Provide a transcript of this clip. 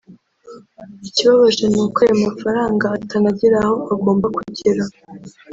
Ikibabaje ni uko ayo mafaranga atanagera aho agomba kugera